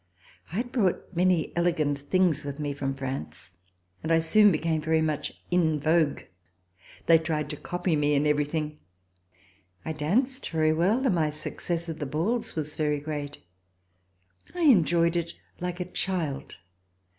I had brought many elegant things with me from France and I soon became very much in vogue. They tried to copy me in everything. I danced very well and my success at the balls was very great. I enjoyed it like a child.